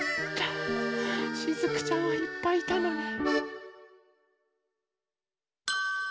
しずくちゃんはいっぱいいたのね。